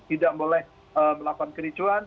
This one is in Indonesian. tidak boleh melakukan kericuan